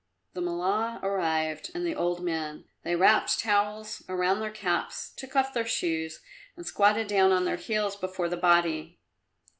The Mullah arrived and the old men; they wrapped towels around their caps, took off their shoes, and squatted down on their heels before the body.